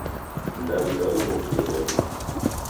Mdaw'ida ughokie hojha.